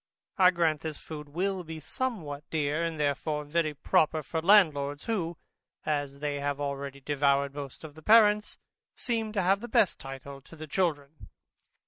I grant this food will be somewhat dear, and therefore very proper for landlords, who, as they have already devoured most of the parents, seem to have the best title to the children.